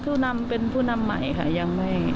ผู้นำเป็นผู้นำใหม่ค่ะยังไม่